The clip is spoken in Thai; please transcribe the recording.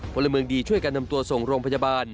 พลเมืองดีช่วยกันนำตัวส่งโรงพยาบาล